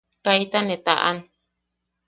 Kaita ne taʼan.